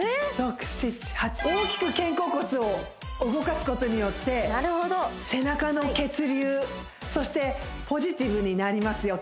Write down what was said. ６７８大きく肩甲骨を動かすことによってなるほど背中の血流そしてポジティブになりますよ